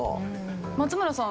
松村さん